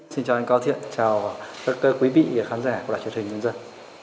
xin chào anh cáo thiện chào các quý vị khán giả của đài truyền hình nhân dân